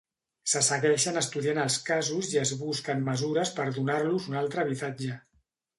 Se segueixen estudiant els casos i es busquen mesures per donar-los una altre habitatge.